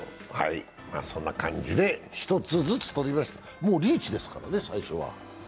そんな感じで１つずつ取りました、もうリーチですからね、最初は。